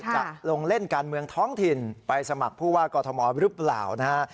จะลงเล่นการเมืองท้องถิ่นไปสมัครผู้ว่ากอทมหรือเปล่านะฮะ